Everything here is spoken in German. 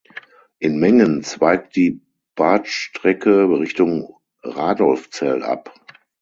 In Mengen zweigt die Bahnstrecke Richtung Radolfzell ab.